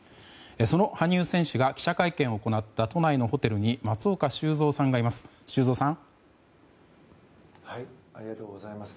その羽生選手が記者会見を行った都内のホテルに松岡修造さんがいます。